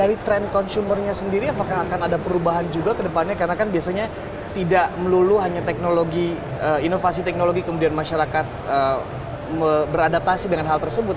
dari tren consumernya sendiri apakah akan ada perubahan juga ke depannya karena kan biasanya tidak melulu hanya teknologi inovasi teknologi kemudian masyarakat beradaptasi dengan hal tersebut